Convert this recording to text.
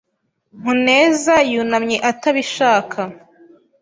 Muneza yunamye atabishaka.